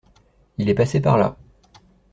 Il est passé par là.